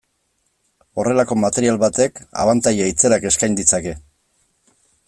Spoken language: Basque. Horrelako material batek abantaila itzelak eskain ditzake.